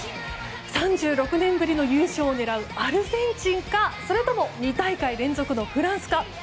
３６年ぶりの優勝を狙うアルゼンチンかそれとも２大会連続のフランスか。